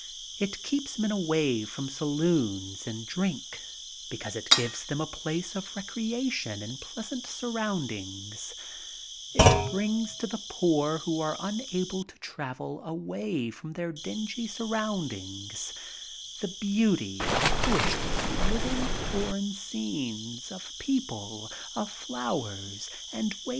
It keqps men away from saloons and drink, because it gives them a place of recreation in pleasant surroundings, it brings to the poor who are unable to travel away from their own dmgy surround ings, the beauty and poetry of living foreign scenes, of people, of flowers, and waving grasses.